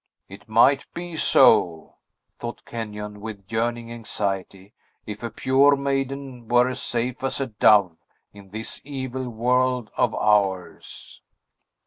"It might be so," thought Kenyon, with yearning anxiety, "if a pure maiden were as safe as a dove, in this evil world of ours."